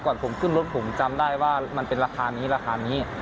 ก่อนผมขึ้นรถผมจำได้ว่ามันเป็นราคานี้ราคานี้